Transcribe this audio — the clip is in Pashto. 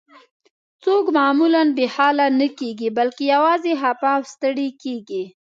څوک معمولاً بې حاله نه کیږي، بلکې یوازې خفه او ستړي کیږي.